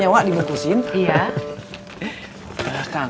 beli ada vowelsnya